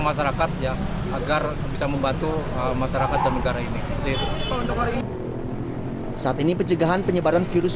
masyarakat ya agar bisa membantu masyarakat dan negara ini seperti itu saat ini pencegahan penyebaran virus